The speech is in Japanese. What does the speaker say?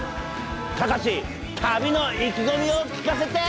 隆旅の意気込みを聞かせて！